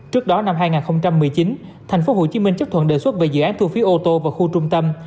trước đó năm hai nghìn một mươi chín tp hcm chấp thuận đề xuất về dự án thu phí ô tô vào khu trung tâm